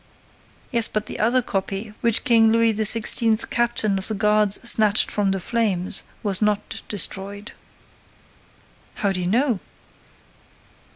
"Yes, but the other copy, which King Louis XVI.'s captain of the guards snatched from the flames, was not destroyed." "How do you know?"